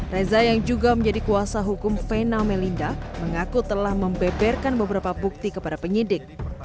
reza yang juga menjadi kuasa hukum fena melinda mengaku telah membeberkan beberapa bukti kepada penyidik